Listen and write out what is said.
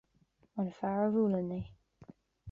An fear a bhuaileann mé.